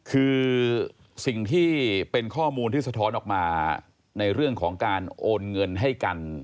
คือสิ่งที่เป็นข้อมูลที่สะท้อนออกมาในเรื่องของการโอนเงินให้กัน